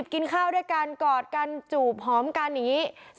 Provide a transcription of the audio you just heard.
๓๐ฯกินข้าวด้วยกันกอดกันจูบหอมกันนี้